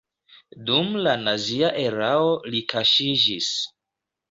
Dum la nazia erao li kaŝiĝis.